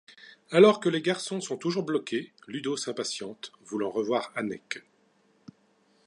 Alors que les garçons sont toujours bloqués, Ludo s'impatiente, voulant revoir Anneke.